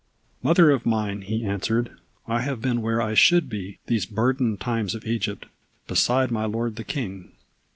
"Mother of mine," he answered, "I have been where I should be These burdened times of Egypt beside my Lord the King.